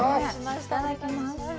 いただきます。